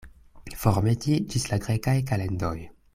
Formeti ĝis la grekaj kalendoj.